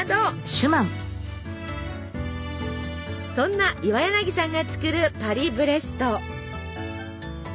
そんな岩柳さんが作るパリブレスト。